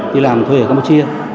đi làm thuê ở campuchia